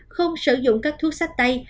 không sử dụng các thuốc sách tay